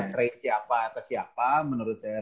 trade siapa atas siapa menurut saya